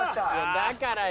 だからよ。